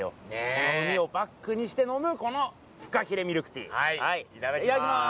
この海をバックにして飲むこのフカヒレミルクティーはいいただきます